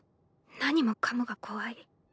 何もかもが怖い。